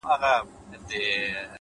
پرمختګ له پرلهپسې زده کړې ځواک اخلي’